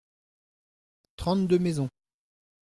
Trente-deux maisons.